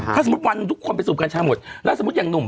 ถ้าสมมุติวันทุกคนไปสูบกัญชาหมดแล้วสมมุติอย่างหนุ่ม